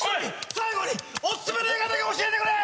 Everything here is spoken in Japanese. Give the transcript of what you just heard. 最後にオススメの映画だけ教えてくれ！